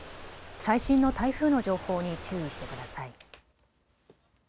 最新の台風の情報に注意してください。